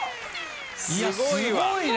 いやすごいね！